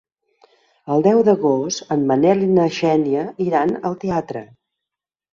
El deu d'agost en Manel i na Xènia iran al teatre.